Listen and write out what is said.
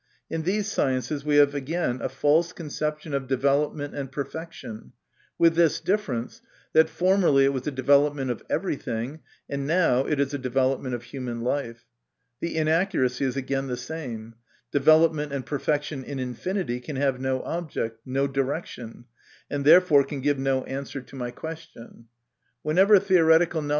In these sciences we have again a false conception of development and perfection, with this difference, that formerly it was a development of everything, and now it is a development of human life. The inaccuracy is again the same ; development and perfection in infinity can have no object, no direction, and therefore can give no answer to my question. Whenever theoretical know MY CONFESSION.